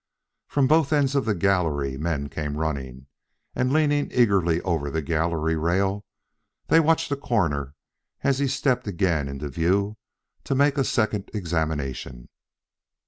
From both ends of the gallery men came running, and leaning eagerly over the gallery rail they watched the Coroner as he stepped again into view to make a second examination.